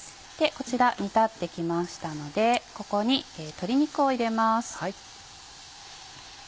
こちら煮立ってきましたのでここに鶏肉を入れます。